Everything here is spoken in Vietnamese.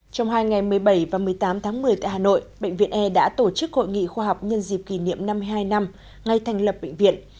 trong hai ngày một mươi bảy và một mươi tám tháng một mươi tại hà nội bệnh viện e đã tổ chức hội nghị khoa học nhân dịp kỷ niệm năm mươi hai năm ngay thành lập bệnh viện